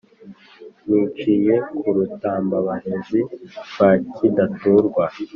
Niciye ku Rutambabarenzi rwa Kidaturwa